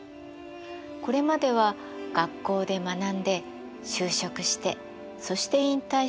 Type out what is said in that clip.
これまでは学校で学んで就職してそして引退して老後の暮らし。